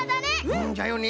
うんじゃよね。